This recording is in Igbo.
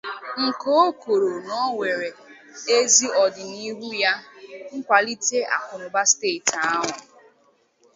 nke o kwuru na o nwere ezi ọdịnihu nye nkwàlite akụnụba steeti ahụ